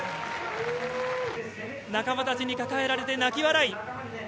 仲間たちに抱えられて、泣き笑い。